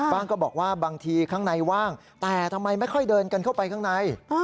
ก็บอกว่าบางทีข้างในว่างแต่ทำไมไม่ค่อยเดินกันเข้าไปข้างใน